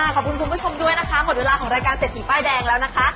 ขอบคุณคุณผู้ชมด้วยนะคะหมดเวลาของรายการเศรษฐีป้ายแดงแล้วนะคะ